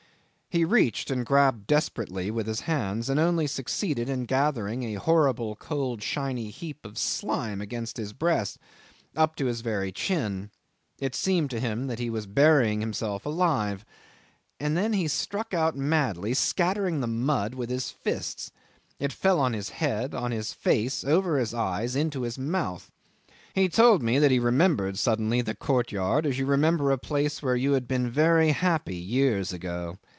He reached and grabbed desperately with his hands, and only succeeded in gathering a horrible cold shiny heap of slime against his breast up to his very chin. It seemed to him he was burying himself alive, and then he struck out madly, scattering the mud with his fists. It fell on his head, on his face, over his eyes, into his mouth. He told me that he remembered suddenly the courtyard, as you remember a place where you had been very happy years ago.